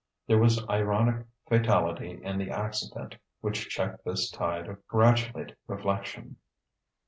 There was ironic fatality in the accident which checked this tide of gratulate reflection.